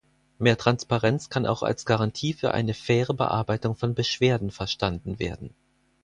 Mehr Transparenz kann auch als Garantie für eine faire Bearbeitung von Beschwerden verstanden werden.